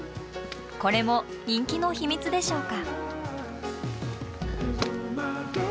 これも人気の秘密でしょうか。